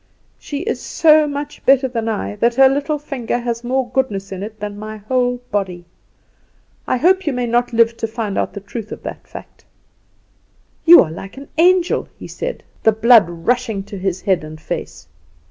"She is so much better than I, that her little finger has more goodness in it than my whole body. I hope you may not live to find out the truth of that fact." "You are like an angel," he said, the blood rushing to his head and face.